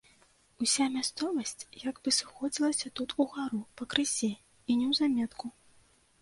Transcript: Уся мясцовасць як бы сыходзілася тут угару, пакрысе і неўзаметку.